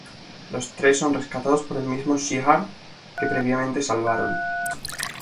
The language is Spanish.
Los tres son rescatados por el mismo Shi'ar que previamente salvaron.